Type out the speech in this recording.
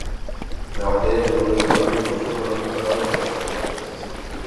En la batalla los burgueses flamencos fueron aplastados por la caballería francesa.